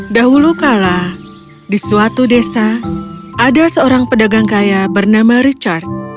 dahulu kala di suatu desa ada seorang pedagang kaya bernama richard